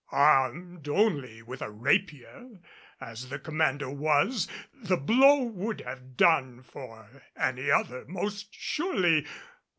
Armed only with a rapier as the commander was, the blow would have done for any other most surely.